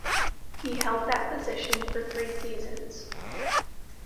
He held that position for three seasons.